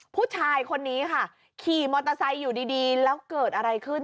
ผู้ชายคนนี้ค่ะขี่มอเตอร์ไซค์อยู่ดีแล้วเกิดอะไรขึ้น